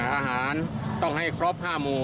อาหารต้องให้ครบ๕หมู่